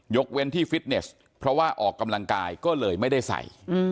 เว้นที่ฟิตเนสเพราะว่าออกกำลังกายก็เลยไม่ได้ใส่